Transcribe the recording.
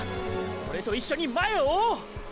オレと一緒に前を追おう！！